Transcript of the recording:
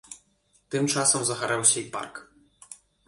Тым часам загарэўся і парк.